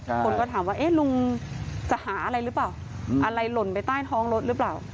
คนก็ถามว่าเอ๊ะลุงจะหาอะไรหรือเปล่าอะไรหล่นไปใต้ท้องรถหรือเปล่า